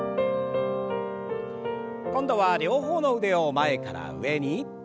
今度は両方の腕を前から上に。